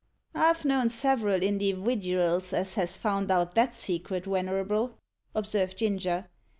"I've known several indiwiduals as has found out that secret, wenerable," observed Ginger.